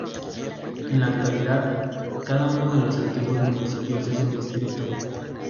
En la actualidad, cada uno de los antiguos municipios es un distrito.